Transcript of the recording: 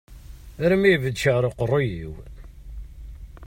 Armi ibedd ccεer uqerru-iw.